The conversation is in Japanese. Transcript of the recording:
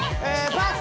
パス！